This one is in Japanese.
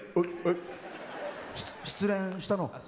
失恋したの？